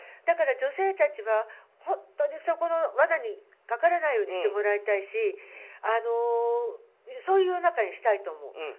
だから、女性たちは本当にそこの罠にかからないようにしてもらいたいしそういう世の中にしたいと思う。